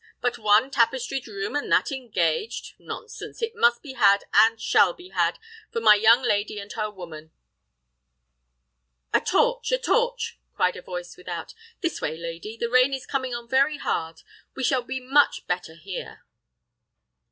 But one tapestried room, and that engaged? Nonsense! it must be had, and shall be had, for my young lady and her woman!" "A torch! a torch!" cried a voice without. "This way, lady. The rain is coming on very hard; we shall be much better here."